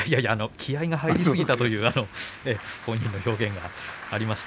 気合いが入りすぎたという本人の表現がありました。